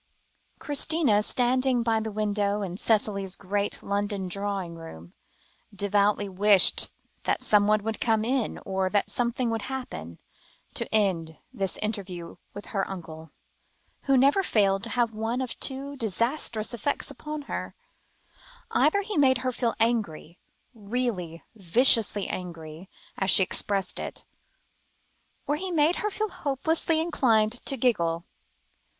Christina, standing by the window in Cicely's great London drawing room, devoutly wished that somebody would come in, or that something would happen, to end this interview with her uncle, who never failed to have one of two disastrous effects upon her: either he made her feel angry really viciously angry, as she expressed it or he made her hopelessly inclined to giggle.